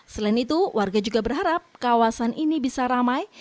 selain itu warga juga berharap kawasan ini bisa ramai